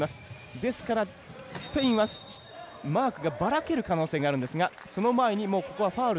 ですから、スペインはマークがばらける可能性があるんですがその前にファウル。